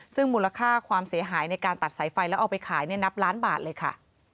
ซึ่งมูลค่าความเสียหายในการตัดสายไฟแล้วเอาไปขายนับล้านบาทเลยค่ะ